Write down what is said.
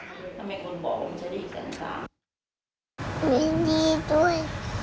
มีนี่ด้วยมีนี่ด้วย